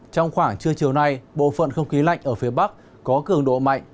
trong khoảng trưa chiều nay bộ phận không khí lạnh ở phía bắc có cường độ mạnh